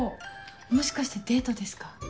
もしかしてデートですか？